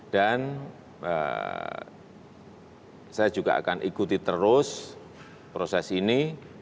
dan saya juga akan ikuti terus proses ini